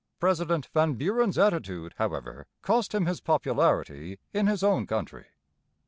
President Van Buren's attitude, however, cost him his popularity in his own country.